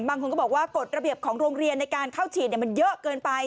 บางคนก็บอกว่ากฎระเบียบของโรงเรียนในการเข้าฉีดมันเยอะเกินไป